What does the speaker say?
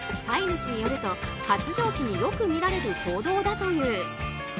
飼い主によると、発情期によく見られる行動だという。